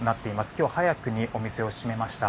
今日早くにお店を閉めました。